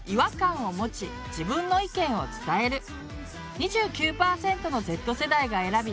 ２９％のＺ世代が選び